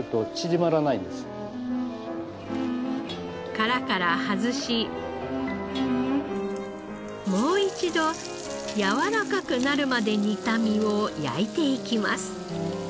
殻から外しもう一度やわらかくなるまで煮た身を焼いていきます。